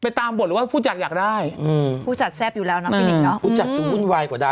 นั่งดูอยู่ขามอ่ะ